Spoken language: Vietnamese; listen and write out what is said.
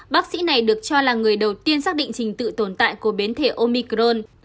bác sĩ này được cho là người đầu tiên xác định trình tự tồn tại của biến thể omicron